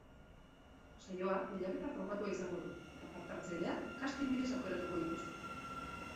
Saioak lehiaketa formatua izango du, eta parte-hartzaileak casting bidez aukeratuko dituzte.